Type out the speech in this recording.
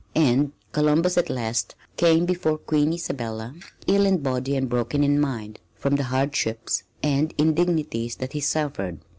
And Columbus at last came before Queen Isabella, ill in body and broken in mind from the hardships and indignities that he suffered.